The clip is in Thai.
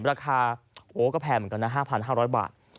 ราคาโอ้ก็แพงเหมือนกันนะ๕๕๐๐บาท